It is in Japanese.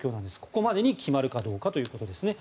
ここまでに決まるかということですね。